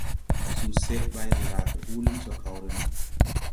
Suseʼ bày de rage huulin so kaw re no.